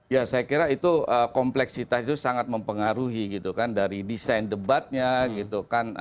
ya saya kira itu kompleksitas itu sangat mempengaruhi gitu kan dari desain debatnya gitu kan